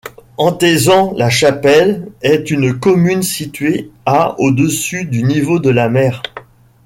Antezant-la-Chapelle est une commune située à au-dessus du niveau de la mer.